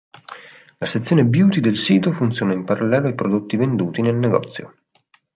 La sezione "Beauty" del sito funziona in parallelo ai prodotti venduti nel negozio.